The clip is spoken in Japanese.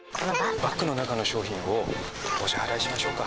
バッグの中の商品を、お支払いしましょうか。